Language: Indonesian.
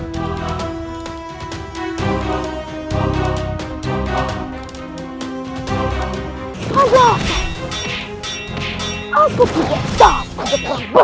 kau harus membayar semuanya